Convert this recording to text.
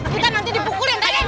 kita nanti dipukulin raden